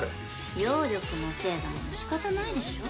妖力のせいだもの仕方ないでしょ？